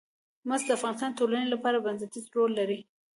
مس د افغانستان د ټولنې لپاره بنسټيز رول لري.